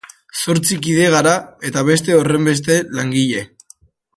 Zortzi kide gara eta beste horrenbeste langile.